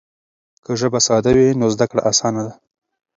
که ژبه ساده وي نو زده کړه اسانه ده.